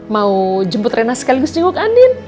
mau jemput rena sekaligus jenguk anin